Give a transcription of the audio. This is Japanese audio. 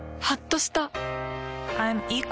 はっとした。